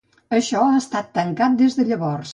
Això ha estat tancat des de llavors.